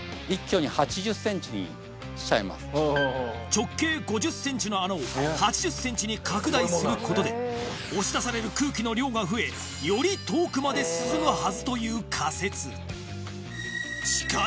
直径５０ｃｍの穴を８０ｃｍに拡大することで押し出される空気の量が増えより遠くまで進むはずという仮説